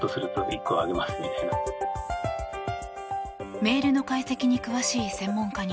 メールの解析に詳しい専門家に